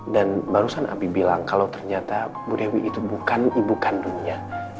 dan barusan ambi bilang kalau ternyata bu dewi itu bukan ibu kandungnya